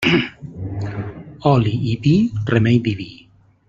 Oli i vi, remei diví.